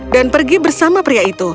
dan pergi bersama pria itu